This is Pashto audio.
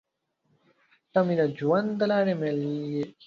تۀ مې د ژوند د لارې مل يې